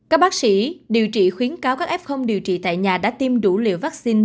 các bác sĩ điều trị khuyến cáo các f điều trị tại nhà đã tiêm đủ liều vaccine